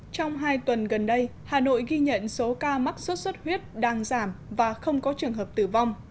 trong hai tuần gần đây hà nội ghi nhận số ca mắc sốt xuất huyết đang giảm và không có trường hợp tử vong